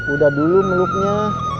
udah dulu meluknya